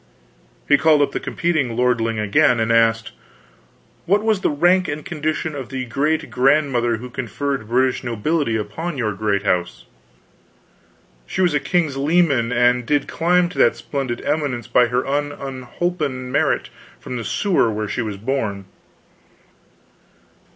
He called up the competing lordling again, and asked: "What was the rank and condition of the great grandmother who conferred British nobility upon your great house?" "She was a king's leman and did climb to that splendid eminence by her own unholpen merit from the sewer where she was born."